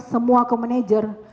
semua ke manager